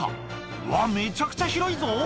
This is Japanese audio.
うわっ、めちゃくちゃ広いぞ。